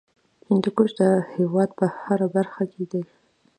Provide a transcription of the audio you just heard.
هندوکش د هېواد په هره برخه کې دی.